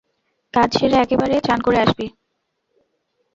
কাজ সেরে একেবারে চান করে আসবি।